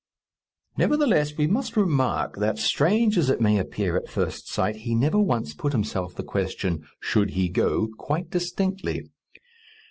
Nevertheless, we must remark that, strange as it may appear at first sight, he never once put himself the question, "Should he go?" quite distinctly.